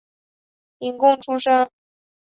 廪贡出身。